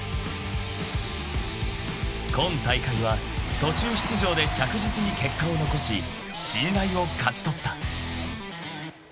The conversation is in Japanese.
［今大会は途中出場で着実に結果を残し信頼を勝ち取った］